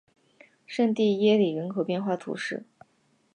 圣蒂耶里人口变化图示